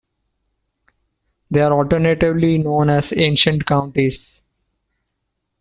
They are alternatively known as "ancient counties".